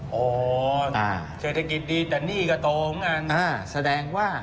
อ๋อเศรษฐกิจดีแต่หนี้ก็โตของอังกฤษ